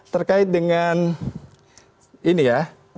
terkait dengan ini ya